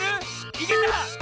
いけた！